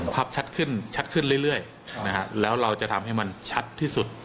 ชัดขึ้นชัดขึ้นเรื่อยแล้วเราจะทำให้มันชัดที่สุด